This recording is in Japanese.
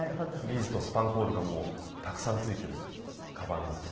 ビーズとスパンコールがたくさんついているカバンになっています。